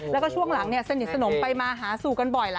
แล้วก็ช่วงหลังสนิทสนมไปมาหาสู่กันบ่อยล่ะ